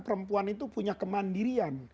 perempuan itu punya kemandirian